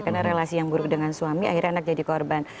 karena relasi yang buruk dengan suami akhirnya anak jadi korban